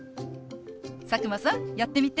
佐久間さんやってみて。